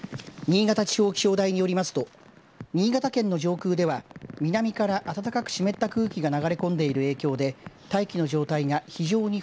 新潟地方気象台によりますと新潟県の上空では南から暖かく湿った空気が流れ込んでいる影響で大気の状態が非常に